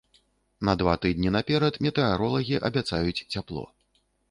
На два тыдні наперад метэаролагі абяцаюць цяпло.